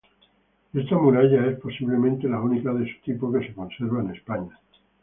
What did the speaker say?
Esta muralla es, posiblemente, la única de su tipo que se conserva en España.